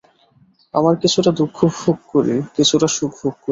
আমরা কিছুটা দুঃখ ভোগ করি, কিছুটা সুখ ভোগ করি।